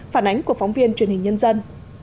phản ánh của phóng viên truyền hình nhân dân